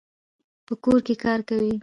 په کور کي کار کوي.